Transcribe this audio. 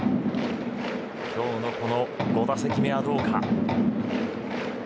今日のこの５打席目はどうか。